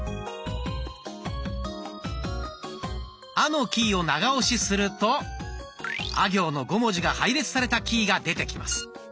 「あ」のキーを長押しすると「あ」行の５文字が配列されたキーが出てきます。